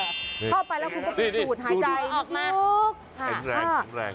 เข้าไปแล้วคุณก็ปิดสูตรหายใจนิดนึก